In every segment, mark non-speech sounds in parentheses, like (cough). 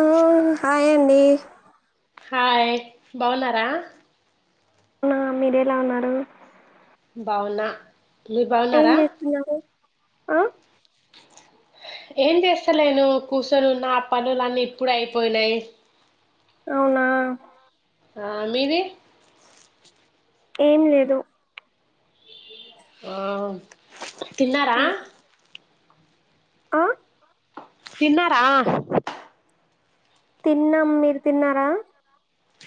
ఆ హాయ్ అండి హాయ్ బాగున్నారా అవునా మీరేలా ఉన్నారు బావున్నా మీరు ఏం బావున్నారా? చేస్తున్నారు ఆ ఏం చేస్తాలేేను కూసోని ఉన్నా ఆ పనులన్నీ ఇప్పుడే అయిపోయినాయి. అవునా ఆ మీది ఏం లేదు ఆ తిన్నారా ఆ తిన్నారా తిన్నాం మీరు తిన్నారా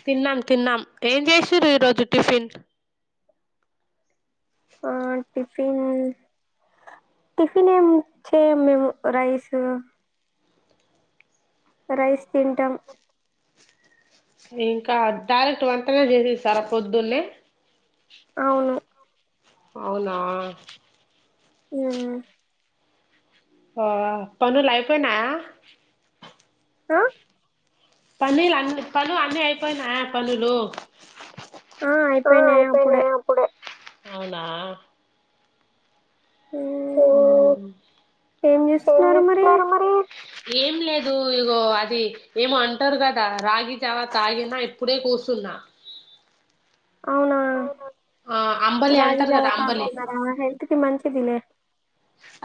తిన్నాం తిన్నాం ఏం చేసిరు ఈరోజు టిఫిన్ ఆ టిఫిన్, టిఫిన్ ఏమి చేయమ్ మేము రైస్ రైస్ తింటాం ఇంకా డైరెక్ట్ వంటనే చేసిస్తారా పొద్దున్నే అవును అవునా ఊ ఓ పనులు ఐపోయినాయా ఆ పనీలు అన్నీ పలు అన్నీ అయిపోయినాయా పనులు ఆ అయిపోయినాయి అప్పుడే అవునా ఊ ఓ మ్ ఏం చేస్తున్నారు మరి ఏం లేదు ఇగో అది ఏమో అంటారు కదా రాగి జావ తాగినా ఇప్పుడే కూసున్నా అవునా అంబలి రాగి అంటారు జావ కదా అంబలి తాగుతున్నారా హెల్త్ కి మంచిదిలే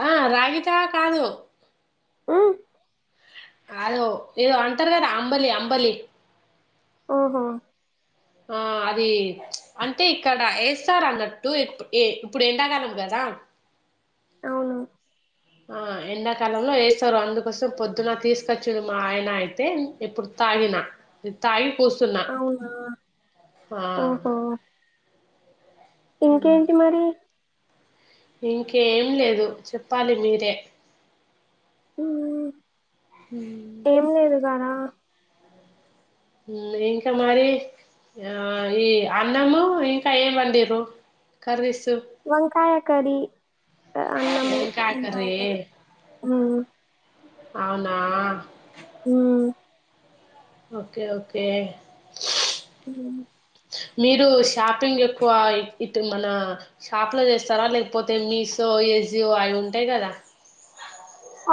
ఆ రాగి జావ కాదు మ్మ్ కాదు ఏదో అంటారు కదా అంబలి అంబలి ఓహో ఆ అది అంటే ఇక్కడ ఏస్తారు అన్నట్టు (unintelligible) ఇప్పుడు ఎండకాలం కదా అవునా ఆ ఎండాకాలంలో ఏస్తారు అందుకోసం పొద్దున తీసుకొచ్చిండు మా ఆయన అయితే ఇప్పుడు తాగినా తాగి కూసున్నా అవునా ఆ ఓహో ఇంకేంటి మరి ఇంకేం లేదు చెప్పాలి మీరే ఉమ్ ఏం లేదు కదా ఇంక మరీ ఆ ఈ అన్నము ఇంకా ఏమండిర్రు కర్రీస్ వంకాయ కర్రీ అన్నము వంకాయ కరీ ఆ అవునా మ్ ఒకే ఒకే మ్ మీరూ షాపింగ్ ఎక్కువా ఇట్ మనా షాప్ ల చేస్తరా లేక్పోతే మీషో ఎజియో అవి ఉంటాయ్ కదా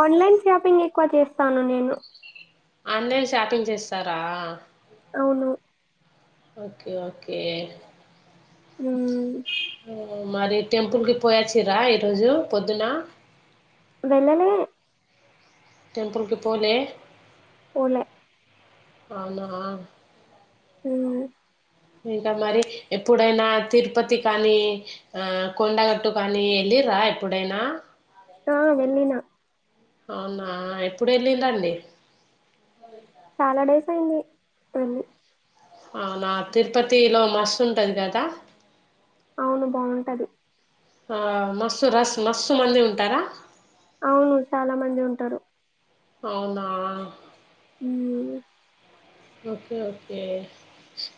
ఆన్లైన్ షాపింగ్ ఎక్కువ చేస్తాన్ నేను ఆన్లైన్ షాపింగ్ చేస్తారా అవును ఓకే ఓకే మ్ ఆ, మరి టెంపుల్ కి పోయాచ్చిరా ఈరోజూ పొద్దున వెళ్లలే టెంపుల్కి పోలే పోలె ఔనా ఊ ఇంక మరి ఎప్పుడైనా తిరుపతి కానీ ఆ కొండగట్టు కానీ ఎళ్ళిర్రా ఎప్పుడైనా ఆ వెళ్ళిన అవునా ఎప్పుడ్ వెళ్ళిండండి చాలాడేస్ అయింది వెళ్లి అవునా తిరుపతిలో మస్త్ ఉంటద్ కదా అవును బావుంటది ఆ మస్సు రస్ మస్సు మంది ఉంటరా అవును చాలా మంది ఉంటరు అవునా మ్ ఓకే ఓకే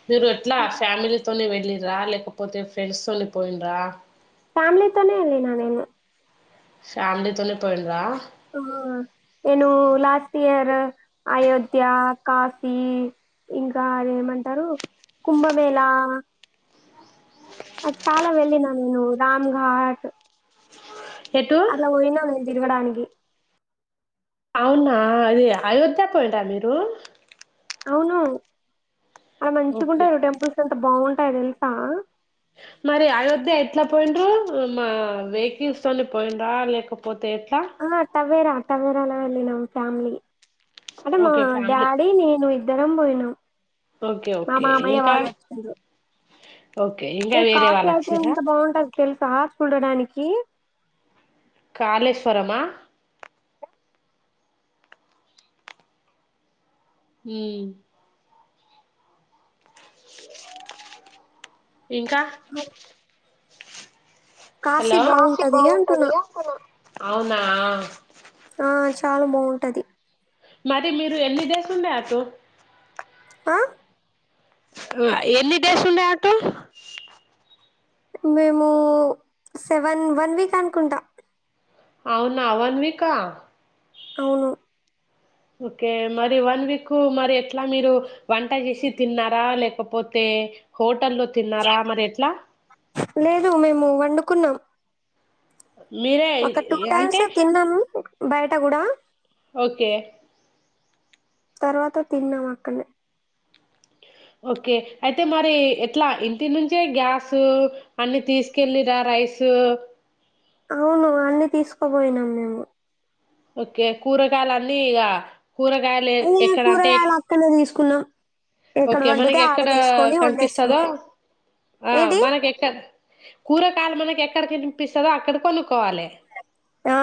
మీరు ఎట్లా ఫ్యామిలీతొనె వెల్ ఇర్రా లేకపోతె ఫ్రెండ్స్ తోని పోయిన్రా ఫ్యామిలీతోనే ఎళ్ళిననేను ఫ్యామిలితొనె పోయిండ్రా ఆ నెనూ లాస్ట్ ఇయర్ అయోధ్యా కాశీ ఇంకా అదేమంటరూ కుంభమేళా అ చాలా వెళ్ళిన నేను రామ్ఘాట్ ఎటు అలా ఓయిన నెన్ తిరుగడానికి అవునా అది అయోధ్యక్ ఓయిర్రా మీరూ అవునూ అది ఓకే మంచిగుంటద్ టెంపుల్స్ ఎంత బాగుంట్ కరల్సా మరి అయోధ్య ఎట్ల పోయిండ్రూ మా వెేకిల్స్తోని పోయిండ్రా లేకపోతే ఆ టవేరా టవేరాల అ వెళ్ళినం ఫ్యామిలీ అంటే మా ఓకే ఫ్యామిలీ డాడీ నేను ఇ ఇద్దరం పోయినం ఓకే మా ఓకే మామయ్య ఇంకా వాళ్లు వచ్చారు ఓకే ఇంక వేరే వాళ్లు వచ్చిరా ఎంత బాగుంటది తెలుసా చూడడానికి కాలేశ్వరం మా హు ఇంకా హలో కాఫి బాగుంటది అంటున్నా అవునా ఆ చాలా బాగుంటుంది మరి మీరు ఎన్ని డేస్ ఉండే అటు ఆ ఎన్ని డేస్ ఉండే అటు మేము సెవెన్ వన్ వీక్ అనుకుంటా అవునా వన్ వీక్ అవును ఓకే మరి వన్ వీక్ మరి ఎట్లా మీరు వంట చేసి తిన్నారా లేకపోతే హోట లేదు మేము వండు కున్నం మీరే ఒక టూ అంటే టైమ్స్ తిన్నాము బయట కూడా ఓకే తర్వాత తిన్నాం అక్కనే ఓకే అయితే మరి ఎట్లా ఇంటి నుంచే గ్యాసు అన్ని తీసుకెళ్ళరా రైస్ అవును అన్నీ తీసుకోపోయినాం మేము ఓకే కూరగాయలన్నీ ఇగ కూరగాయలు అయ్యే ఎక్కడ అంటే కూరగాయలు అక్కడనే తీసుకున్నాం ఎక్కడ ఓకే వండితే మనకి ఆడ ఎక్కడ తీసుకొని కనిపిస్తుందో వండేస్తుండే ఆ ఏంటి మనకు ఎక్క కూరగాయలు మన ఎక్కడ కనిపిస్తదో అక్కడ కొను కోవాలె ఆ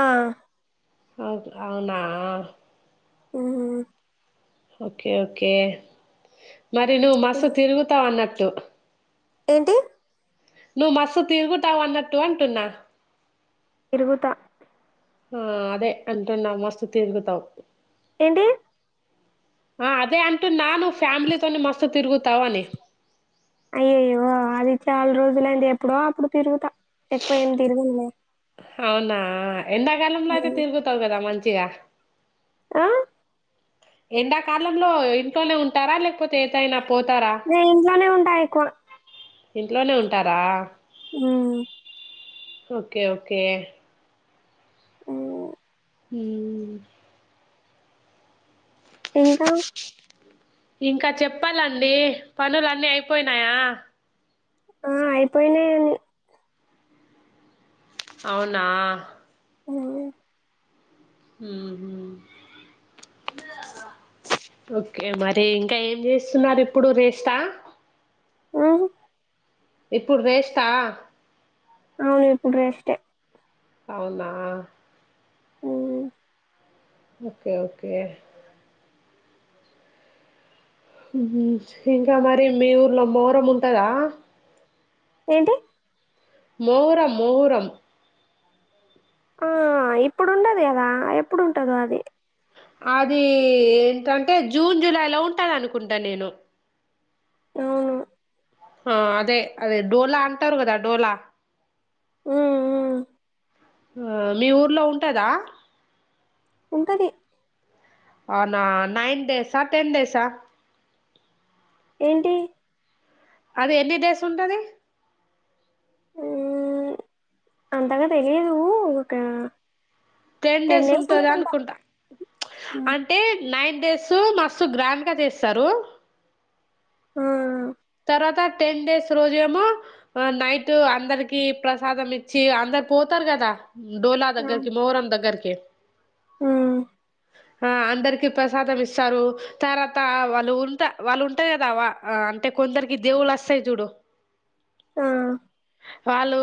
హా ఓకే అవునా హు ఓకే ఓకే మరి నువ్వు మస్తు తిరుగుతావు అన్నట్టు టు ఏంటి నువ్వు మస్తు తిరుగుతావు అన్నట్టు అంటున్నా తిరుగుతా ఆ అదే అంటున్నా మస్తు తిరుగుతావు ఏంటి ఆ అదే అంటునాను ఫ్యామిలీతోనీ మస్త్ తిరుగు తవానీ అయ్యోయ్యో అది చాలా రోజులైంది ఎప్పుడో అప్పుడు తిరుగుతా ఎక్కువ ఏమి తిరగనులే అవునా ఎండాకాలంలో అయితే ఉమ్. తిరుగుతావు కదా మంచి చ్చ ఆ ఎండాకాలంలో ఇంట్లోనే ఉంటారా లేకపోతే ఏదైనా నేను ఇంట్లోనే ఉంటా ఎక్కువ ఇంట్లోనే ఉంటారా మ్మ్ ఓకే ఓకే మ్మ్ మ్మ్ ఇంకా ఇంకా చెప్పాలండి పనులున్నీ అయిపోయినాయా ఆ అయిపోయినయి అవునా అ ఓకే మరి ఇంకా ఏం చేస్తున్నారు ఇప్పుడు రేస్తా ఆ ఇప్పుడు రేష్టా అ ఇప్పుడు రెస్ట్ ఏ అవునా హ్మ్ ఓకే ఓకే మ్మ్ హ్మ్ ఇంకా మరి మీ ఊర్లో మోహారం ఉంటదా ఏంటి మొహర్రం మొహర్రం ఆ ఇప్పుడుండది కదా ఎప్పుడుంటదో అది అది ఏంటంటే జూన్ జులై లో ఉంటది అనుకుంటా నేను అవును ఆ అదే అదే డోలా అంటారు కదా డోలా ఆఆ ఆ మీ ఊర్లో ఉంటదా ఉంటది అవునా నైన్ డేసా ఆ టెన్ డేసా ఆ ఏంటి అది ఎన్ని డేస్ ఉంటది మ్మ్ అంతగా తెలిదు ఒక టెన్ డేస్ ఉంటది అనుకుంటా ఉమ్, అంటే నైన్ డేస్ మస్తు గ్రాండ్గా చేస్తారు ఆ తర్వాత టెన్ డేస్ రోజు ఏమో నైట్ అందరికి ప్రసాదం ఇచ్చి అందరు పోతారు కదా డోలా దగ్గరకి మొహ్రం దగ్గరీకే ఆ ఆ అందరికి ప్రసాదం ఇస్తారు తర్వాత వాళ్ళు, ఉంటా వాళ్ళు ఉంటా కదా ఆ వా అంటే కొందరికి దేవుళ్ళు స్తయి చూడు ఆ ఆళ్ళు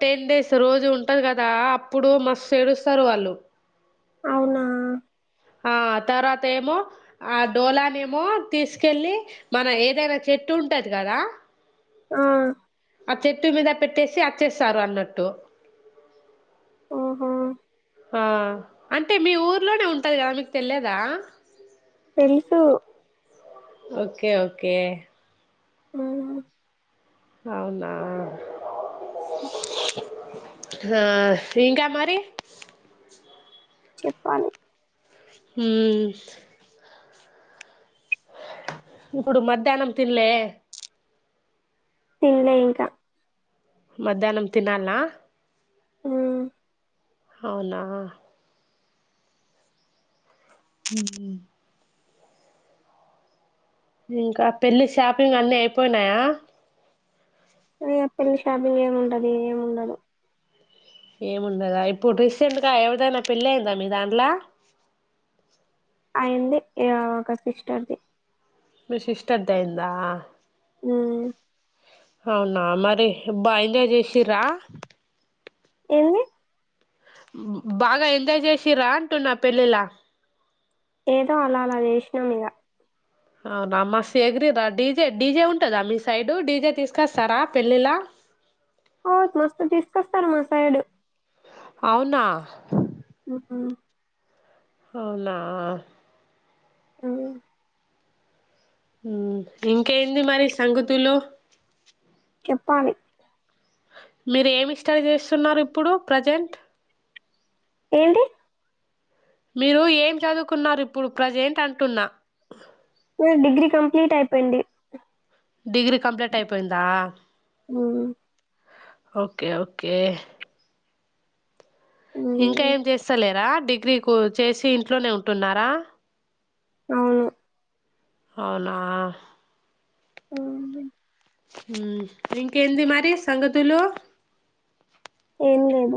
టెన్ డేస్ రోజు ఉంటది కదా, అప్పుడు మస్తు ఏడుస్తారు వాళ్ళు. అవునా ఆ తర్వాత ఏమో ఆ డోలానే ఏమో తీసుకెళ్ళి, మన ఏదైనా చెట్టు ఉంటది కదా. ఆ ఆ చెట్టు మీద పెట్టేసి అచ్చేస్తారు అన్నట్టు ఓహో ఆ అంటే మీ ఊర్లోనే ఉంటది కదా మీకు తెల్లేదా తెలుసు ఓకే ఓకే ఆ అవునా ఆ ఇంకా మరి చెప్పాలి హుమ్ ఇప్పుడు మధ్యాహ్నం తిన్లే తిన్లే ఇంకా మధ్యాహనం తినాల హ్మ్ అవునా హ్మ్ ఇంకా పెళ్లి, షాపింగ్ అన్ని అయిపోయినాయా. ఇగ పెళ్ళి షాపింగ్ ఏమి ఉంటది ఏమి ఉండదు ఏముండదా ఇప్పుడు రీసెంట్గా ఎవరిదైనా పెళ్లి అయిందా మీ దాంట్ల. అయింది ఇగ ఒక సిస్టర్ది మీ సిస్టర్ ది అయ్యిందా హ్మ్ అవునా మరి బా ఎంజాయ్ చేసిర్రా ఏంది బాగా ఎంజాయ్ చేసిరా అంటున్న పెళ్ళిలా ఏదో అలా అలా చేసినాం ఇగ అవునా మస్సు ఎగిరిర్ర డీజే డీజే ఉంటదా మీ సైడ్ డీజే తీసుకస్తారా పెళ్ళిలా. ఔత్ మస్తు తీసుకొస్తారు మా సైడు అవునా హు హ్మ్ అవునా ఆ హ్మ్ ఇంకేంది మరి సంగతులు చెప్పాలి మీరు ఏమి స్టడీ చేస్తున్నారు ఇప్పుడు ప్రజెంట్ ఏంటి మీరు ఏం చదువుకున్నారు ఇప్పుడు ప్రజెంట్ అంటున్న నాది డిగ్రీ కంప్లీట్ అయిపోయింంది డిగ్రీ కంప్లీట్ అయిపోయిందా హ్మ్ ఓకే ఓకే ఇంకా ఉమ్ ఏం చేస్త లేరా డిగ్రీ కు చేసి ఇంట్లోనే ఉంటున్నారా అవును అవునా అవునే హుమ్ ఇంకేంది మరి సంగతులు ఏం లేదు